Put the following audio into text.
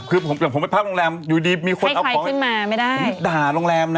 คือผมไปทานโรงแรม